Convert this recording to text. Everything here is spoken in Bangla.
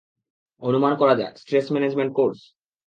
অনুমান করা যাক, স্ট্রেস ম্যানেজমেন্ট কোর্স?